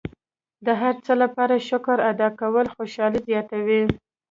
د هر څه لپاره شکر ادا کول خوشحالي زیاتوي.